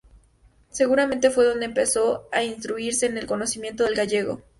Seguramente fue donde empezó a instruirse en el conocimiento del gallego.